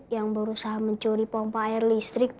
yang berusaha mencuri pompa air listrik